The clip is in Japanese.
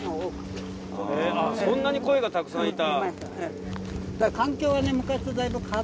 そんなにコイがたくさんいた。